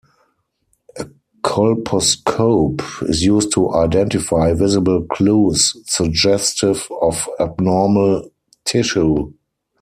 A colposcope is used to identify visible clues suggestive of abnormal tissue.